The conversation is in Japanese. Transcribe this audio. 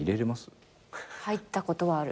入ったことはある。